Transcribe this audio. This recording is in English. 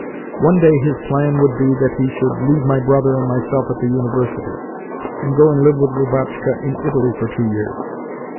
One day his plan would be that he should leave my brother and myself at the University, and go and live with Lubotshka in Italy for two years.